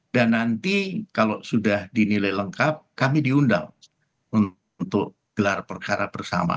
dan nanti kalau sudah dinilai lengkap kami diundang untuk gelar perkara bersama